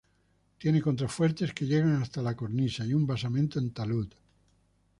Tiene contrafuertes que llegan hasta la cornisa y un basamento en talud.